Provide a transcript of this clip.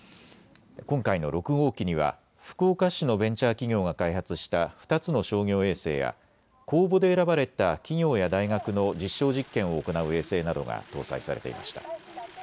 今回の６号機には福岡市のベンチャー企業が開発した２つの商業衛星や公募で選ばれた企業や大学の実証実験を行う衛星などが搭載されていました。